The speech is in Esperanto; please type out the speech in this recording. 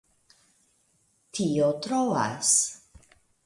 Tio troas!